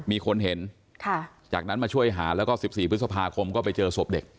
มีคนเห็นจากนั้นมาช่วยหาแล้วก็๑๔พฤษภาคมก็ไปเจอศพเด็ก